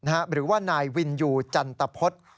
หรือว่านายวินยูจันตพฤษ